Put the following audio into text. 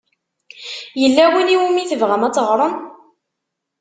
Yella win i wumi tebɣam ad teɣṛem?